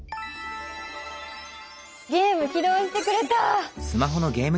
ゲーム起動してくれた！